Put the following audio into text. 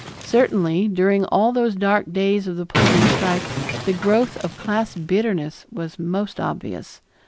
Certainly, during all those dark days of the Pullman strike, the growth of class bitterness was most obvious.